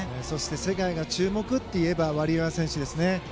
そして世界が注目といえばワリエワ選手ですね。